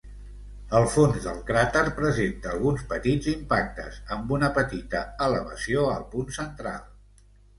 El fons del cràter presenta alguns petits impactes, amb una petita elevació al punt central.